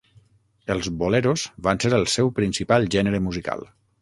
Els boleros van ser el seu principal gènere musical.